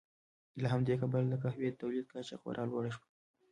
له همدې کبله د قهوې د تولید کچه خورا لوړه شوه.